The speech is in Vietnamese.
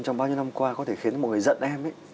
trong bao nhiêu năm qua có thể khiến một người giận em